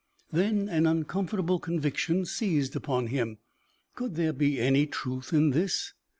Then an uncomfortable conviction seized upon him. Could there be any truth in this?